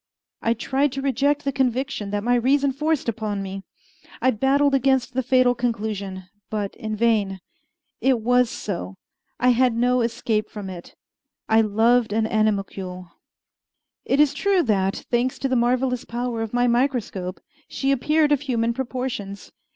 I tried to reject the conviction that my reason forced upon me. I battled against the fatal conclusion but in vain. It was so. I had no escape from it. I loved an animalcule. It is true that, thanks to the marvelous power of my microscope, she appeared of human proportions.